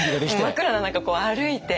真っ暗な中こう歩いて。